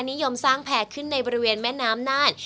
นิยมสร้างแผ่ขึ้นในบริเวณแม่น้ำน่าน